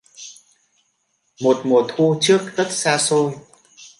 Một mùa thu trước rất xa xôi